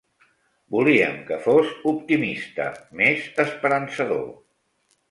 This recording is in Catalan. Volíem que fos optimista, més esperançador.